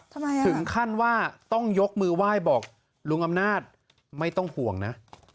ถึงขั้นว่าต้องยกมือไหว้บอกลุงอำนาจไม่ต้องห่วงนะ